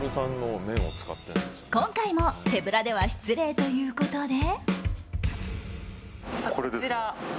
今回も手ぶらでは失礼ということで。